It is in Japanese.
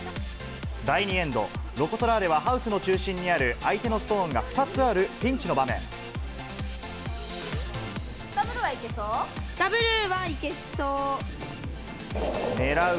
第２エンド、ロコ・ソラーレはハウスの中心にある相手のストーンが２つあるピダブルはいけそう？